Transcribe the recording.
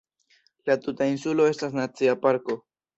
La tuta insulo estas nacia parko.